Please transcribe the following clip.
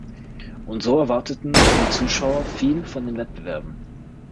Und so erwarteten die Zuschauer viel von den Wettbewerben.